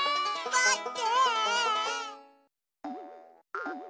まって！